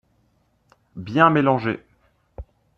Bien mélanger